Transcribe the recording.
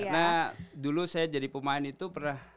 karena dulu saya jadi pemain itu pernah